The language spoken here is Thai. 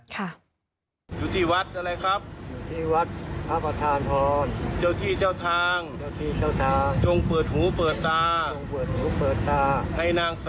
ค่ะ